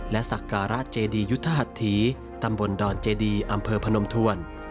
และสักการะเจดียุทธหัสถีตำบลดอนเจดีอำเภอพนมทวน